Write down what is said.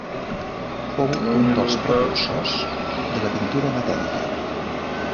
Fou un dels precursors de la pintura matèrica.